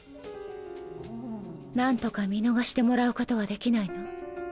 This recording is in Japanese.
何とか見逃してもらうことはできないの？